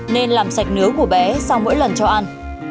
nên làm sạch nướng của bé sau mỗi lần cho ăn